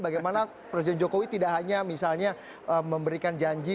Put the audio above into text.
bagaimana presiden jokowi tidak hanya misalnya memberikan janji